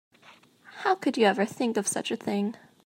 How could you ever think of such a thing?